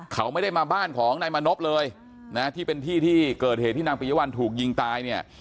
เขาไม่ได้มาบ้านของนายมานพเลยนะที่เป็นที่ที่เกิดเหตุที่นางปิยวัลถูกยิงตายเนี่ย